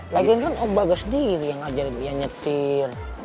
lagian kan om baga sendiri yang ngajarin dia nyetir